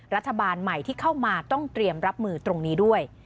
รัฐบาลใหม่ที่เข้ามาต้องเตรียมรับมือตรงนี้ด้วย